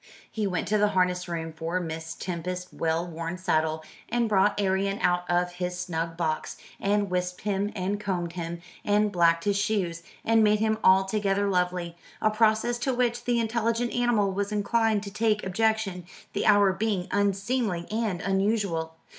He went to the harness room for Miss Tempest's well worn saddle, and brought Arion out of his snug box, and wisped him and combed him, and blacked his shoes, and made him altogether lovely a process to which the intelligent animal was inclined to take objection, the hour being unseemly and unusual.